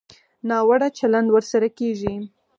ناوړه چلند ورسره کېږي.